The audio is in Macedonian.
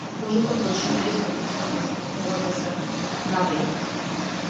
Кожата почна да и се отпушта, да свиснува, да се набира.